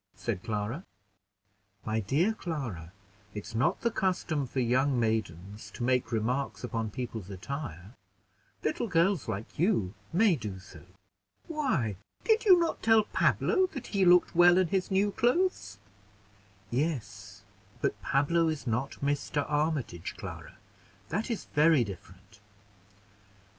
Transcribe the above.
said Clara. "My dear Clara, it's not the custom for young maidens to make remarks upon people's attire. Little girls like you may do so." "Why, did you not tell Pablo that he looked well in his new clothes?" "Yes, but Pablo is not Mr. Armitage, Clara. That is very different."